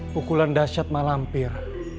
pukulan dasyat malampir